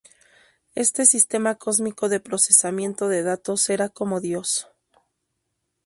Este sistema cósmico de procesamiento de datos será como Dios.